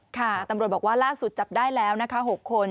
ค่ะตำรวจบอกว่าล่าสุดจับได้แล้ว๖คน